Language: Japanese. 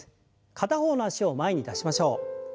片方の脚を前に出しましょう。